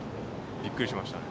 びっくりしましたね。